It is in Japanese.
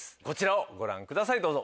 こちらをご覧ください。